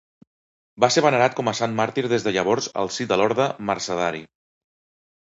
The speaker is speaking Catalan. Va ser venerat com a sant màrtir des de llavors al si de l'orde mercedari.